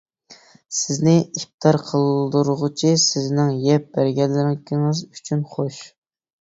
سىزنى ئىپتار قىلدۇرغۇچى سىزنىڭ يەپ بەرگەنلىكىڭىز ئۈچۈن خوش.